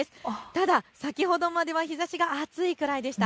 ただ先ほどまでは日ざしが暑いくらいでした。